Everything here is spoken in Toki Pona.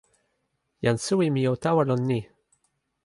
jan suwi mi o tawa lon ni.